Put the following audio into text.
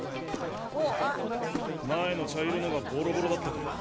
前の茶色のがボロボロだったから。